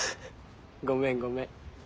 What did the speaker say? ごめんごめん。